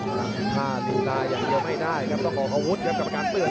หลังข้าศิลป์ได้อย่างเดียวไม่ได้ครับต้องเอาอาวุธกับกรรมการเปลือก